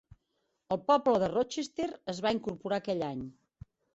El poble de Rochester es va incorporar aquell any.